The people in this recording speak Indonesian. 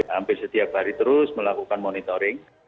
hampir setiap hari terus melakukan monitoring